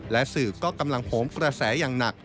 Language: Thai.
และสื่อก็กำลังโหมกระแสอย่างหนัก